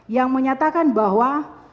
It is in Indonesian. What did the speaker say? yang menyatakan bahwa